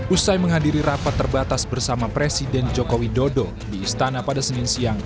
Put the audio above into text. usai menghadiri rapat terbatas bersama presiden joko widodo di istana pada senin siang